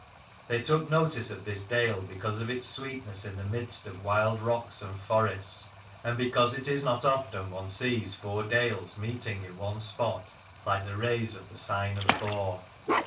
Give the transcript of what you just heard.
They took notice of this dale because of its sweetness in the midst of wild rocks and forests, and because it is not often one sees four dales meeting in one spot like the rays of the sign of Thor.